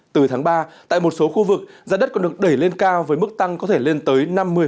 từ tháng ba tại một số khu vực giá đất còn được đẩy lên cao với mức tăng có thể lên tới năm mươi